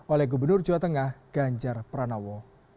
oleh gubernur jawa tengah ganjar pranowo